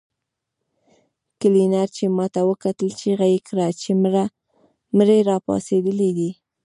کلينر چې ماته وکتل چيغه يې کړه چې مړی راپاڅېدلی دی.